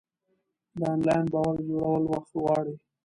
د انلاین باور جوړول وخت غواړي.